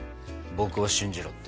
「僕を信じろ」って。